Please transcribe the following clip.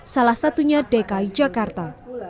salah satunya dki jakarta